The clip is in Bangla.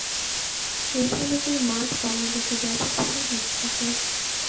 এই প্রজাতির মাছ বাংলাদেশ ব্যাপকভাবে বিস্তৃত।